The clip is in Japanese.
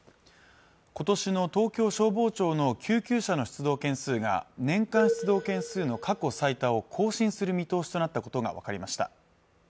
今年の東京消防庁の救急車の出動件数が年間出動件数の過去最多を更新する見通しとなったことが分かりました